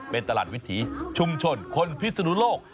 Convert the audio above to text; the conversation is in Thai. เป็นตลาดวิถีชุมชนคนพิศนุโลก